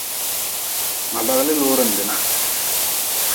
Hin noosanoosa nijanu.